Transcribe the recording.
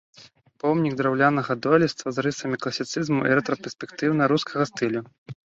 Помнік драўлянага дойлідства з рысамі класіцызму і рэтраспектыўна-рускага стылю.